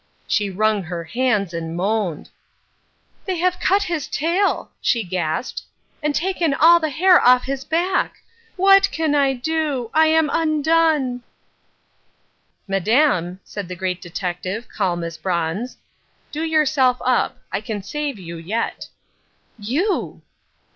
She wrung her hands and moaned. "They have cut his tail," she gasped, "and taken all the hair off his back. What can I do? I am undone!!" "Madame," said the Great Detective, calm as bronze, "do yourself up. I can save you yet." "You!"